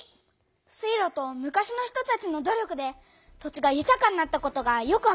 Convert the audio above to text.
水路と昔の人たちの努力で土地がゆたかになったことがよくわかったよ！